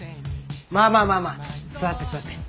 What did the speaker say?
まあまあまあまあ座って座って。